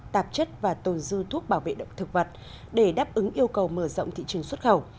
tạp chất và tồn dư thuốc bảo vệ động thực vật để đáp ứng yêu cầu mở rộng thị trường xuất khẩu